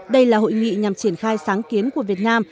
đây là hội nghị nhằm triển khai sáng kiến của việt nam